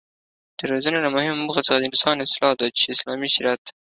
د روزنې له مهمو موخو څخه د انسانانو اصلاح ده چې اسلامي شريعت